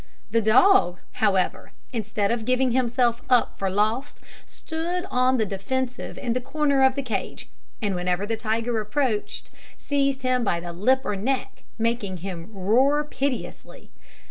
The dog, however, instead of giving himself up for lost, stood on the defensive in the corner of the cage, and whenever the tiger approached, seized him by the lip or neck, making him roar piteously.